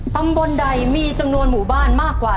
ตำบลใดมีจำนวนหมู่บ้านมากกว่า